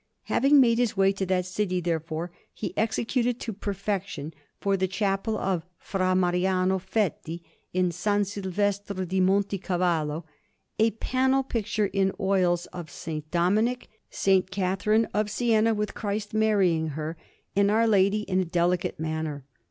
Having made his way to that city, therefore, he executed to perfection for the Chapel of Fra Mariano Fetti in S. Silvestro di Monte Cavallo, a panel picture in oils of S. Dominic, S. Catherine of Siena, with Christ marrying her, and Our Lady, in a delicate manner.